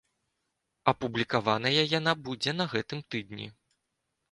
Апублікаваная яна будзе на гэтым тыдні.